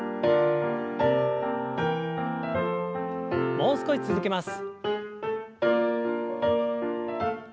もう少し続けます。